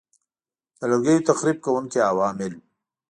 د لرګیو تخریب کوونکي عوامل